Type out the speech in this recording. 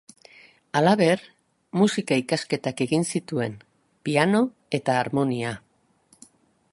Halaber, musika ikasketak egin zituen, piano eta harmonia.